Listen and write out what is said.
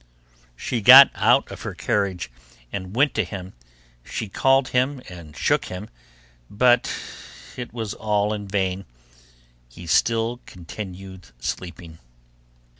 She got out of her carriage and went to him; she called him and shook him, but it was all in vain, he still continued sleeping.